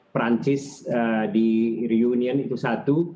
perancis di reunion itu satu